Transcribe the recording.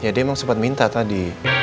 ya dia emang sempat minta tadi